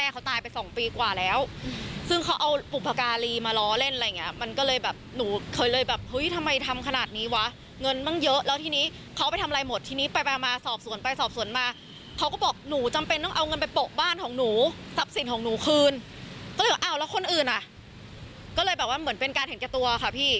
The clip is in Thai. ก็เลยแบบว่าเหมือนเป็นการเห็นกันตัวค่ะพี่